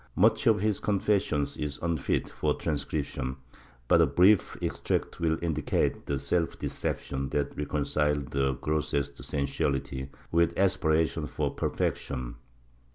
Much of his confessions is unfit for transcription, but a brief extract will indicate the self deception that reconciled the grossest sensuality with aspirations for perfection.